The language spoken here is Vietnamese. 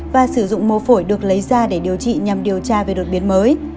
và sử dụng mô phổi được lấy ra để điều trị nhằm điều tra về đột biến mới